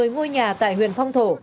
một mươi ngôi nhà tại huyện phong thổ